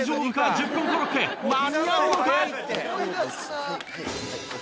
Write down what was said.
１０分コロッケ間に合うのか？